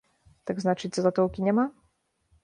Так, значыць, залатоўкі няма?